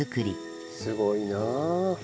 すごいなあ。